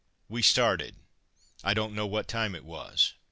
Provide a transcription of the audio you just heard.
We started. I don't know what time it was.